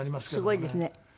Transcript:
すごいですね。